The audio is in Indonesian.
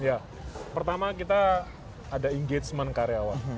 ya pertama kita ada engagement karyawan